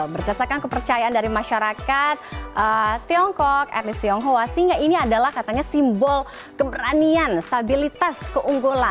berdasarkan kepercayaan dari masyarakat tiongkok etnis tionghoa singa ini adalah katanya simbol keberanian stabilitas keunggulan